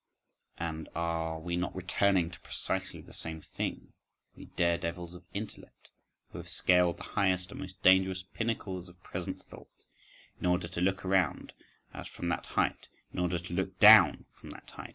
… And are we not returning to precisely the same thing, we dare devils of intellect who have scaled the highest and most dangerous pinnacles of present thought, in order to look around us from that height, in order to look down from that height?